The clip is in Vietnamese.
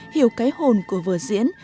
hiểu cái hồn của vở diễn